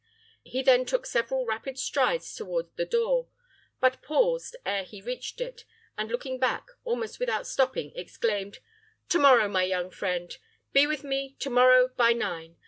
He then took several rapid strides toward the door, but paused ere he reached it, and looking back, almost without stopping, exclaimed, "To morrow, my young friend; be with me to morrow by nine.